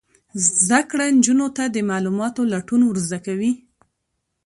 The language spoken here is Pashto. زده کړه نجونو ته د معلوماتو لټون ور زده کوي.